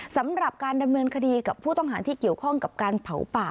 สำหรับการดำเนินคดีกับผู้ต้องหาที่เกี่ยวข้องกับการเผาป่า